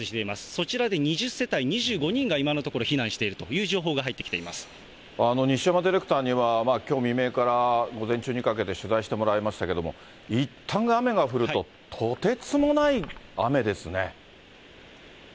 そちらで２０世帯２５人が今のところ避難しているという情報が入西山ディレクターには、きょう未明から、午前中にかけて取材してもらいましたけれども、いったん雨が降ると、とてつもない雨ですね。